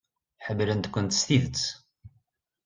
Ḥemmlent-kent s tidet.